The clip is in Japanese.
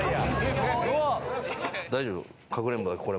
大丈夫？